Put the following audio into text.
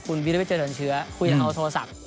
คุณวิทยุพิธีเจริญเชื้อคุณอัลโทรศัพท์